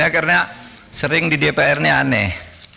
karena sering di dpr ini aneh